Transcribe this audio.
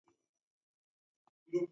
Inja nguw'o raw'o niw'ike rapo